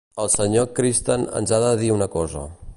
El senyor Kristen ens ha de dir una cosa.